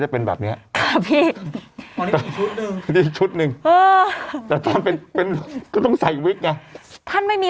ภาคอีสาน